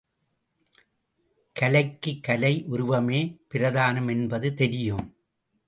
கலைக்கு கலை உருவமே பிரதானமென்பது தெரியும்.